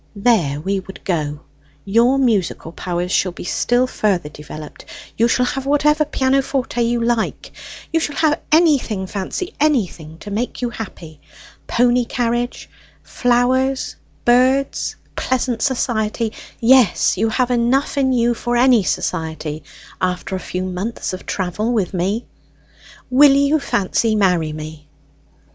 There we would go. Your musical powers shall be still further developed; you shall have whatever pianoforte you like; you shall have anything, Fancy, anything to make you happy pony carriage, flowers, birds, pleasant society; yes, you have enough in you for any society, after a few months of travel with me! Will you, Fancy, marry me?"